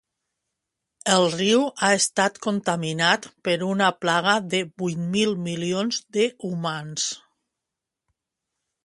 El riu ha estat contaminat per una plaga de vuit mil milions de humans